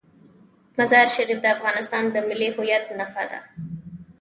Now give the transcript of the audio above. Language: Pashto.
مزارشریف د افغانستان د ملي هویت نښه ده.